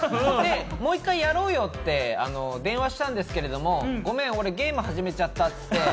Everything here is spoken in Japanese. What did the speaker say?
もう１回やろうよって電話したんですけれども、ごめん、俺、ゲーム始めちゃったって。